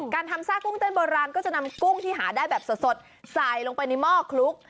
การทำซากกุ้งเต้นโบราณก็จะนำกุ้งที่หาได้แบบสดใส่ลงไปในหม้อคลุก